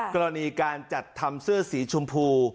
กรณีการจัดทำเสื้อสีชมพู